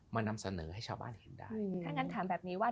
นำเสนอให้ชาวบ้านเห็นได้ถ้างั้นถามแบบนี้ว่า